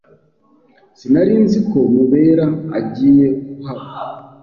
Sinari nzi ko Mubera agiye kuhaba.